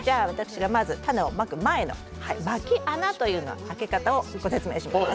まずは種をまく前のまき穴の開け方をご説明します。